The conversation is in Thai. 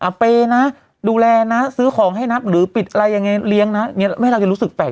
เปย์นะดูแลนะซื้อของให้นับหรือปิดอะไรยังไงเลี้ยงนะอย่างนี้ไม่เราจะรู้สึกแปลก